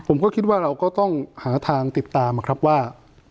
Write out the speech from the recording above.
ผมก็คิดว่าเราก็ต้องหาทางติดตามนะครับว่า